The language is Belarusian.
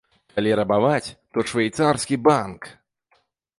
Калі рабаваць, то швейцарскі банк!